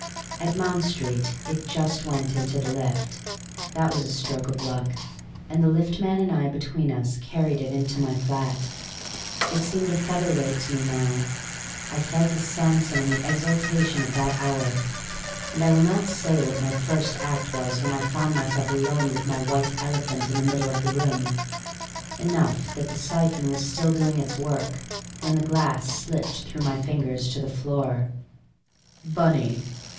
At Mount Street it just went into the lift; that was a stroke of luck; and the lift man and I between us carried it into my flat. It seemed a featherweight to me now. I felt a Samson in the exaltation of that hour. And I will not say what my first act was when I found myself alone with my white elephant in the middle of the room; enough that the siphon was still doing its work when the glass slipped through my fingers to the floor. "Bunny!"